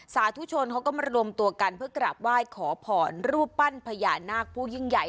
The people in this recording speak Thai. สาธุชนเขาก็มารวมตัวกันเพื่อกราบไหว้ขอพรรูปปั้นพญานาคผู้ยิ่งใหญ่